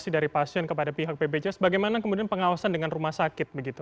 dari pasien kepada pihak bpjs bagaimana kemudian pengawasan dengan rumah sakit begitu